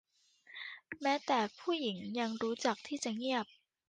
แม้แต่ผู้หญิงยังรู้จักที่จะเงียบ